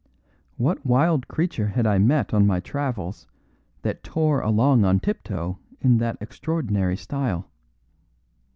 What wild creature had I met on my travels that tore along on tiptoe in that extraordinary style?